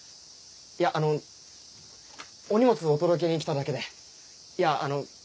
いやあのお荷物をお届けに来ただけでいやあのこれ。